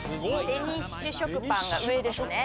デニッシュ食パンが上ですね。